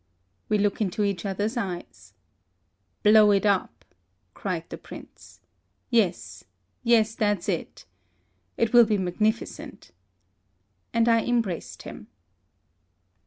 We look into each other's eyes. *' Blow it up !" cried the Prince. *' Yes, yes ; that's it. It will be magnificent/' And I embraced him.